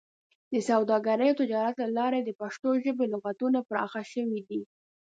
د سوداګرۍ او تجارت له لارې د پښتو ژبې لغتونه پراخه شوي دي.